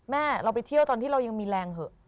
แม่เราไปเที่ยวตอนที่เรายังมีแรงเหอะ